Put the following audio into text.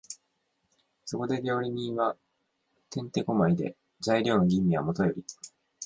そこで料理人は転手古舞で、材料の吟味はもとより、